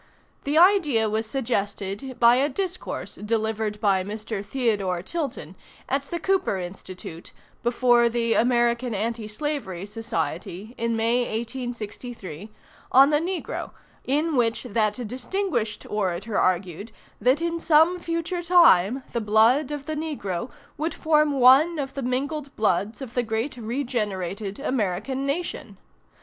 The idea was suggested by a discourse delivered by Mr. Theodore Tilton, at the Cooper Institute, before the American Anti Slavery Society, in May 1863, on the negro, in which that distinguished orator argued, that in some future time the blood of the negro would form one of the mingled bloods of the great regenerated American nation.